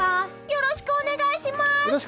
よろしくお願いします！